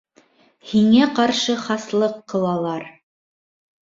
Һиңә ҡаршы хаслыҡ ҡылалар.